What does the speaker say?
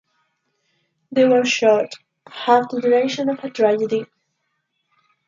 They were short, half the duration of a tragedy.